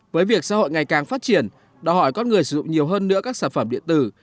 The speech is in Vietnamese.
với việc xã hội ngày càng phát triển đòi hỏi con người sử dụng nhiều hơn nữa các sản phẩm điện tử